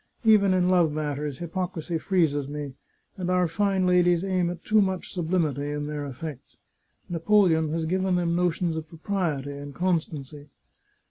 Even in love matters, hypocrisy freezes me, and our fine ladies aim at too much sublimity in their eflfects. Napoleon has given them notions of propriety and constancy.